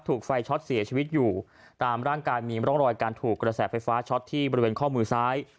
ถูกไฟช็อตเสียชีวิตอยู่ตามร่างกายมีร่องรอยการถูกกระแสไฟฟ้าช็อตที่บริเวณข้อมือซ้าย